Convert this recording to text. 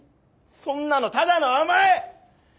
そんなのただの甘え！